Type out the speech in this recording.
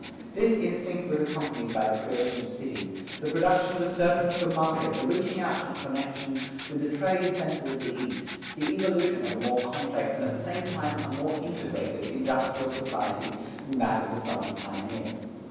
This instinct was accompanied by the creation of cities, the production of a surplus for market, the reaching out to connections with the trading centers of the East, the evolution of a more complex and at the same time a more integrated industrial society than that of the Southern pioneer.